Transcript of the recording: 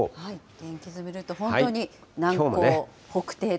天気図見ると本当に南高北低と。